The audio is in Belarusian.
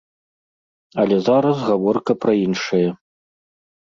Але зараз гаворка пра іншае.